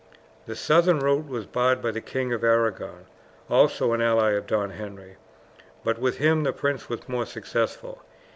The southern route was barred by the King of Arragon, also an ally of Don Henry; but with him the prince was more successful.